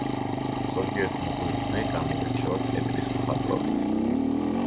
ზოგიერთი მღვიმე გამოირჩევა კედლის მხატვრობით.